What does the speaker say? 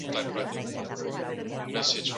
Haizea ahul eta iparraldetik ibiliko da.